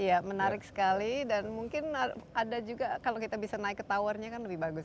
iya menarik sekali dan mungkin ada juga kalau kita bisa naik ke towernya kan lebih bagus